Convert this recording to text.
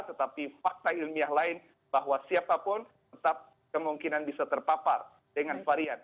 tetapi fakta ilmiah lain bahwa siapapun tetap kemungkinan bisa terpapar dengan varian